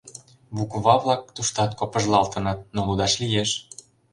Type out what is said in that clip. Буква-влак туштат копыжлалтыныт, но лудаш лиеш: